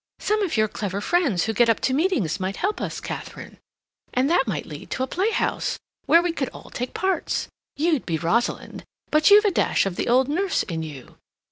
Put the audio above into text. Some of your clever friends who get up meetings might help us, Katharine. And that might lead to a playhouse, where we could all take parts. You'd be Rosalind—but you've a dash of the old nurse in you.